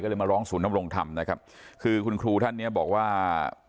ก็เลยมาร้องศูนย์นำรงธรรมนะครับคือคุณครูท่านเนี้ยบอกว่า